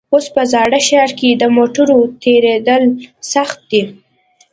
اوس په زاړه ښار کې د موټرو تېرېدل سخت دي.